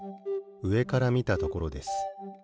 うえからみたところです。